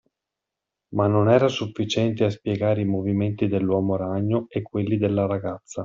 Ma non era sufficiente a spiegare i movimenti dell’uomo ragno e quelli della ragazza